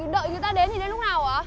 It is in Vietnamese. đợi đợi người ta đến thì đến lúc nào hả